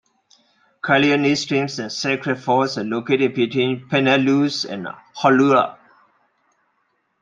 Kaluanui Stream and Sacred Falls are located between Punaluu and Hauula.